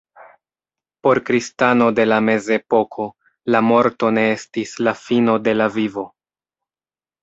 Por kristano de la mezepoko la morto ne estis la fino de la vivo.